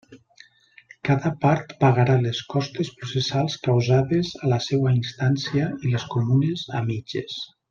Cada part pagarà les costes processals causades a la seua instància i les comunes a mitges.